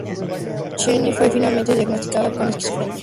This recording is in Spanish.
Cheyenne fue finalmente diagnosticada con esquizofrenia.